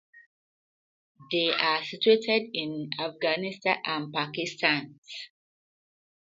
They are situated in Afghanistan and Pakistan.